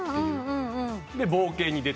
冒険に出ていく。